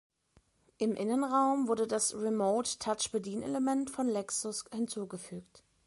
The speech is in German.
Im Innenraum wurde das Remote-Touch-Bedienelement von Lexus hinzugefügt.